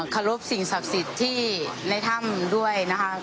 เคารพสิ่งศักดิ์สิทธิ์ที่ในถ้ำด้วยนะคะ